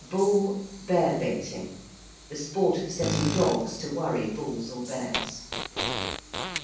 ~bull , bear baiting~: the sport of setting dogs to worry bulls or bears.